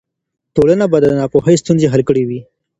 ټولنه به د ناپوهۍ ستونزې حل کړې وي.